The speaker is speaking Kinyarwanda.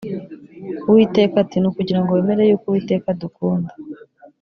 uwiteka ati ni ukugira ngo bemere yuko uwiteka adukunda